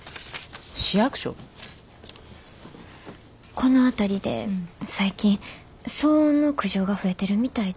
この辺りで最近騒音の苦情が増えてるみたいで。